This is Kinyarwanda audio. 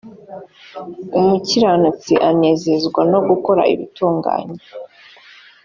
umukiranutsi anezezwa no gukora ibitunganye